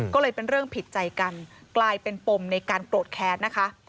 ก็เลยเป็นเรื่องผิดใจกันกลายเป็นปมในการโกรธแค้นนะคะ